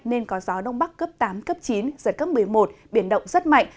nên có gió đông bắc cấp tám cấp chín giật cấp một mươi một biển động rất mạnh